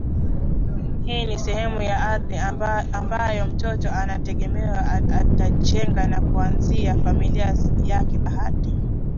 Hii ni sehemu ya ardhi ambayo mtoto anategemewa atajenga na kuanzisha familia yake Bahati